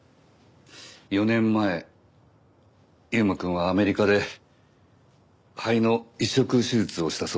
４年前優馬くんはアメリカで肺の移植手術をしたそうですね。